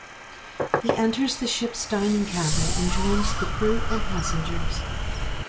He enters the ship's dining cabin and joins the crew and passengers.